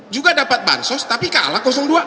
juga dapat bansos tapi kalah dua